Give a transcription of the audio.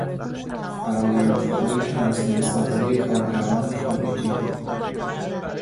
فرآیندهای همسان سازی کارگران خارجی